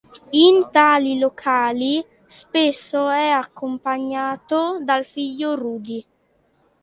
In tali locali spesso è accompagnato dal figlio Rudy.